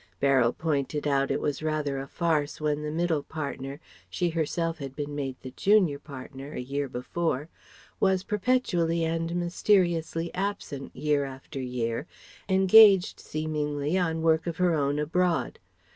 Beryl pointed out it was rather a farce when the middle partner she herself had been made the junior partner a year before was perpetually and mysteriously absent, year after year, engaged seemingly on work of her own abroad.